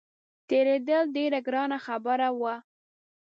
تېرېدل ډېره ګرانه خبره وه.